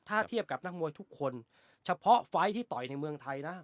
ถ้าเทียบกับนักมวยทุกคนเฉพาะไฟล์ที่ต่อยในเมืองไทยนะ